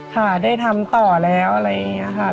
ค่ะได้ทำต่อแล้วอะไรอย่างนี้ค่ะ